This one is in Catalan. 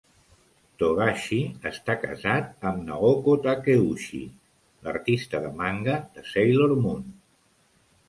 Togashi està casat amb Naoko Takeuchi, l'artista de manga de Sailor Moon.